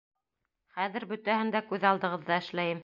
Хәҙер бөтәһен дә күҙ алдығыҙҙа эшләйем.